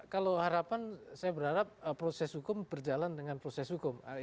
kalau harapan saya berharap proses hukum berjalan dengan proses hukum